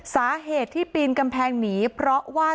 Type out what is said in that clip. สาเหตุที่ปีนกำแพงหนีเพราะว่า